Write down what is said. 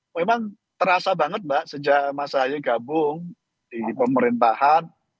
memang terasa banget mbak sejak mas ahaye gabung di pemerintahan